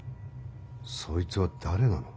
そいつは誰なの？